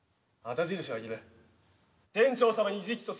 天朝様に直訴する。